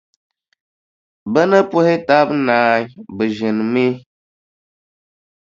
Bɛ ni puhi taba naai, bɛ ʒinimi.